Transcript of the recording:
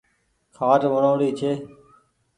کآٽ وڻوڻي ڇي۔